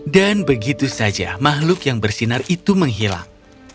dan begitu saja makhluk yang bersinar itu menghilang